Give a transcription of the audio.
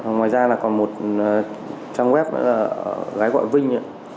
ngoài ra còn một trang web gái gọi vinh